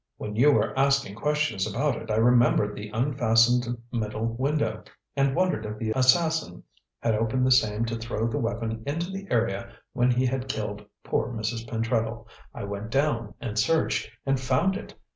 "When you were asking questions about it, I remembered the unfastened middle window, and wondered if the assassin had opened the same to throw the weapon into the area when he had killed poor Mrs. Pentreddle. I went down and searched, and found it.